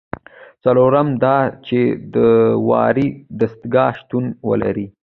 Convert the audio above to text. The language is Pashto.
څلورم دا چې د داورۍ دستگاه شتون ولري.